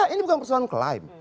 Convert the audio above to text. ini bukan persoalan klaim